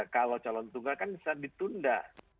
kalau calon tunggal kan bisa ditunda